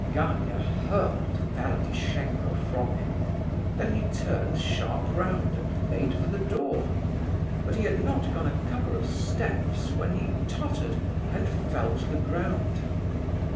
Gania hurled Ferdishenko from him; then he turned sharp round and made for the door. But he had not gone a couple of steps when he tottered and fell to the ground.